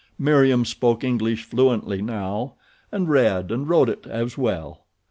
Meriem spoke English fluently now, and read and wrote it as well.